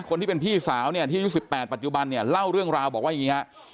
คนที่เป็นพี่สาวเนี่ยที่อายุ๑๘ปัจจุบันเนี่ยเล่าเรื่องราวบอกว่าอย่างนี้ฮะ